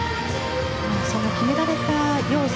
決められた要素